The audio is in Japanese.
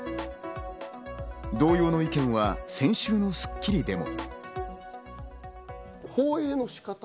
同様の意見は、先週の『スッキリ』でも。